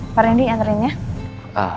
pak rendy antarin ya